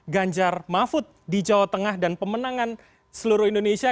ganjar mahfud di jawa tengah dan pemenangan seluruh indonesia